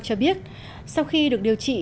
cho biết sau khi được điều trị